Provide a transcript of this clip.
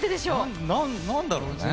何だろう。